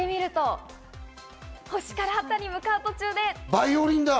バイオリンだ！